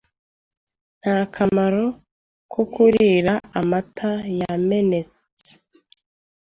Nta kamaro ko kurira amata yamenetse.